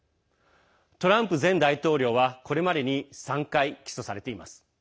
トランプ前大統領は、これまでに３回、起訴されています。